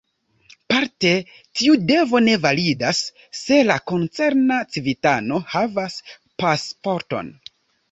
Parte tiu devo ne validas, se la koncerna civitano havas pasporton.